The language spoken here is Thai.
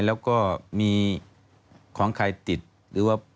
แล้วก็มีของใครติดหรือว่า